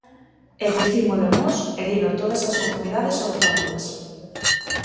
E dicímolo nós e dino todas as comunidades autónomas.